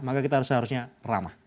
maka kita seharusnya ramah